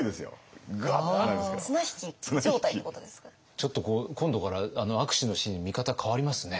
ちょっと今度からあの握手のシーンの見方変わりますね。